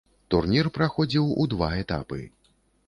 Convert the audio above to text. Турнір праходзіў у два этапы.